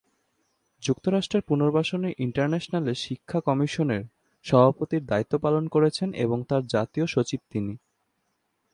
যুক্তরাষ্ট্রের পুনর্বাসন ইন্টারন্যাশনালের শিক্ষা কমিশনের সভাপতির দায়িত্ব পালন করেছেন এবং তার জাতীয় সচিব তিনি।